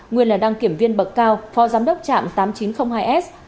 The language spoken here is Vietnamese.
nguyên là đăng kiểm viên bậc cao phó giám đốc trạm tám nghìn chín trăm linh hai s